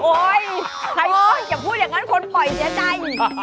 โอ๊ยโอ๊ยอย่าพูดอย่างนั้นคนปล่อยจะได้